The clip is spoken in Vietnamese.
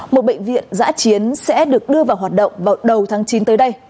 một bệnh viện giã chiến sẽ được đưa vào hoạt động vào đầu tháng chín tới đây